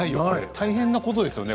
大変なことですよね